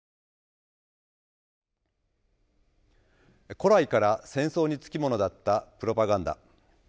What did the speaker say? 古来から戦争に付き物だったプロパガンダ。